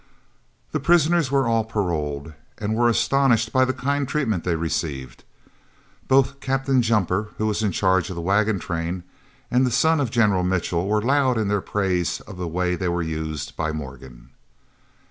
The prisoners were all paroled, and were astonished at the kind treatment they received. Both Captain Jumper, who was in charge of the wagon train, and the son of General Mitchell were loud in their praise of the way they were used by Morgan.